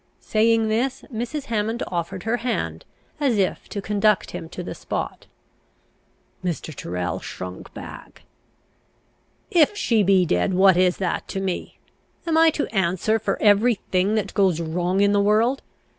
Saying this, Mrs. Hammond offered her hand, as if to conduct him to the spot. Mr. Tyrrel shrunk back. "If she be dead, what is that to me? Am I to answer for every thing that goes wrong in the world?